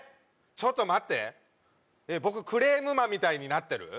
ちょっと待って僕クレームマンみたいになってる？